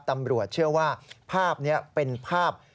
ตำรวจเชื่อว่าภาพนี้เป็นภาพ